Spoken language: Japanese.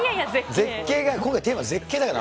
絶景がテーマ、絶景だから。